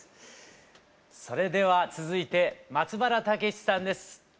それでは続いて松原健之さんです。